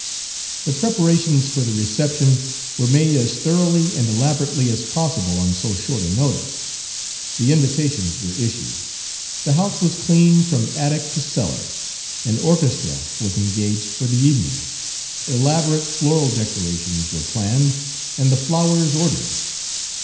The preparations for the reception were made as thoroughly and elaborately as possible on so short a notice. The invitations were issued; the house was cleaned from attic to cellar; an orchestra was engaged for the evening; elaborate floral decorations were planned and the flowers ordered.